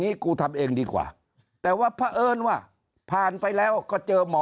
กูทำเองดีกว่าแต่ว่าเพราะเอิญว่าผ่านไปแล้วก็เจอหมอ